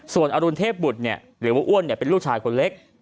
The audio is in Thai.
ส่วนอรุณเทพบุตรหรือว่าอ้วนเป็นลูกชายคนเล็ก